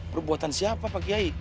perbuatan siapa pak kiai